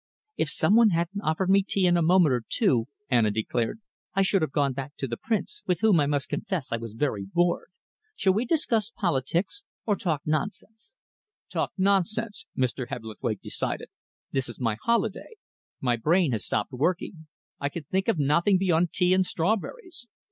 "If some one hadn't offered me tea in a moment or two," Anna declared, "I should have gone back to the Prince, with whom I must confess I was very bored. Shall we discuss politics or talk nonsense?" "Talk nonsense," Mr. Hebblethwaite decided. "This is my holiday. My brain has stopped working. I can think of nothing beyond tea and strawberries.